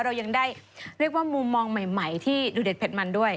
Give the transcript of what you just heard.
เรายังได้เรียกว่ามุมมองใหม่ที่ดูเด็ดเด็ดมันด้วย